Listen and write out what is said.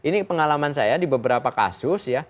iya iya ini pengalaman saya di beberapa kasus